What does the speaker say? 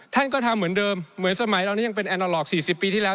ท่านก็ทำเหมือนเดิมเหมือนสมัยเรานี้ยังเป็นแอนนาลอก๔๐ปีที่แล้ว